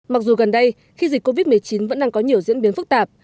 mặc dù gần đây khi dịch covid một mươi chín vẫn đang có nhiều diễn biến phức tạp